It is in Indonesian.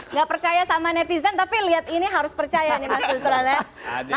nggak percaya sama netizen tapi lihat ini harus percaya nih mas guzulan ya